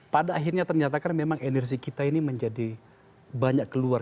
pada akhirnya ternyata kan memang energi kita ini menjadi banyak keluar